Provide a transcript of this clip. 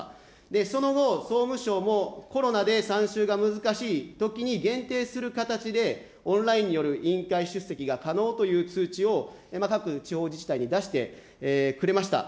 その後、総務省も、コロナで参集が難しいときに限定する形で、オンラインによる委員会出席が可能という通知を、各地方自治体に出してくれました。